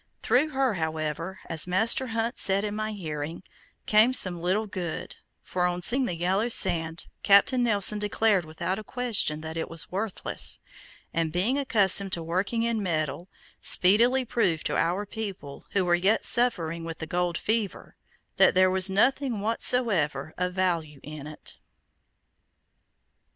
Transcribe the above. Through her, however, as Master Hunt said in my hearing, came some little good, for on seeing the yellow sand, Captain Nelson declared without a question that it was worthless, and, being accustomed to working in metal, speedily proved to our people who were yet suffering with the gold fever, that there was nothing whatsoever of value in it.